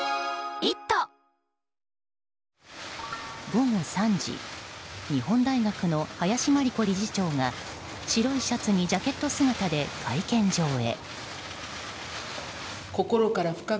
午後３時日本大学の林真理子理事長が白いシャツにジャケット姿で会見場へ。